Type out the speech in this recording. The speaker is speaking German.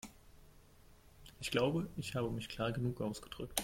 Ich glaube, ich habe mich klar genug ausgedrückt.